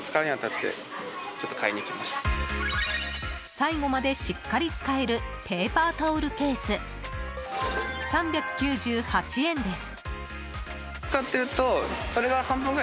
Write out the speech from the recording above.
最後までしっかり使えるペーパータオルケース３９８円です。